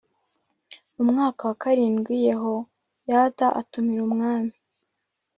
Mu mwaka wa karindwi Yehoyada atumira umwami